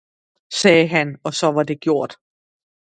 sagde han og så var det gjort.